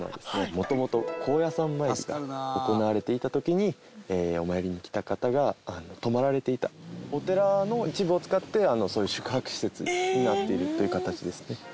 元々高野山参りが行われていた時にお参りに来た方が泊まられていたお寺の一部を使ってそういう宿泊施設になっているという形ですね。